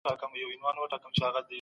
ژوند د نېکو اعمالو د ذخیره کولو ځای دی.